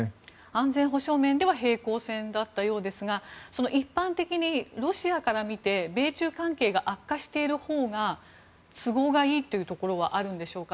安全保障面では平行線だったようですが一般的にロシアから見て米中関係が悪化しているほうが都合がいいというところはあるんでしょうか。